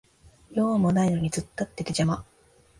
用もないのに突っ立ってて邪魔